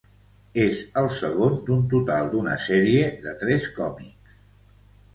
És el segon d'un total d'una sèrie de tres còmics.